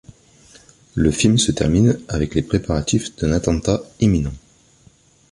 Le film se termine avec les préparatifs d'un attentat imminent.